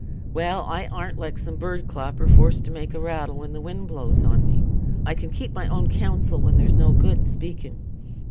"Well, I aren't like a bird clapper, forced to make a rattle when the wind blows on me. I can keep my own counsel when there's no good i' speaking."